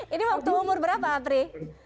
ini waktu umur berapa apri